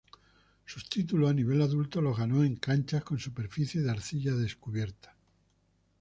Sus títulos a nivel adulto los ganó en canchas con superficie de arcilla descubierta.